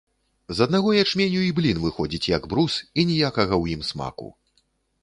З аднаго ячменю й блін выходзіць як брус, і ніякага ў ім смаку.